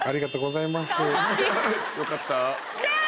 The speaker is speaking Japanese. よかった。